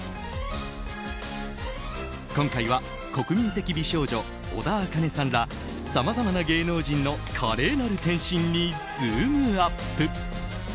今回は国民的美少女・小田茜さんらさまざまな芸能人の華麗なる転身にズームＵＰ！